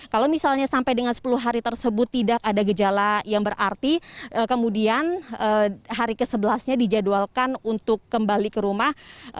kalau misalnya sampai dengan sepuluh hari tersebut tidak ada gejala yang berarti kemudian hari ke sebelasnya dijadwalkan untuk kembali ke rumah